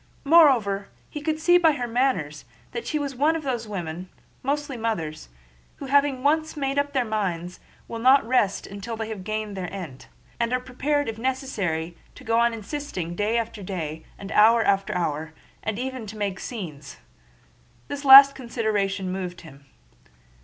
Moreover, he could see by her manners that she was one of those women—mostly mothers—who, having once made up their minds, will not rest until they have gained their end, and are prepared if necessary to go on insisting day after day and hour after hour, and even to make scenes. This last consideration moved him.